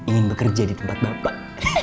ingin bekerja di tempat bapak